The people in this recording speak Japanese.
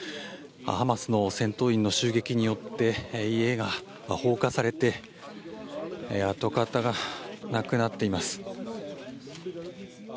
ハマスの戦闘員の襲撃によって家が放火されて跡形がなくなっています。